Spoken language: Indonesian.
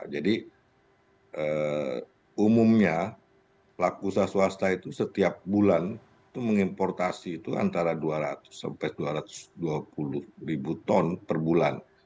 jadi umumnya pelaku usaha swasta itu setiap bulan mengimportasi itu antara dua ratus sampai dua ratus dua puluh ribu ton per bulan